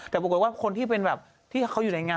แต่ปรากฏว่าคนที่เป็นแบบที่เขาอยู่ในงาน